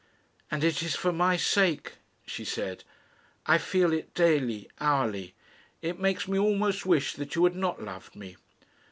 "And it is for my sake," she said. "I feel it daily, hourly. It makes me almost wish that you had not loved me."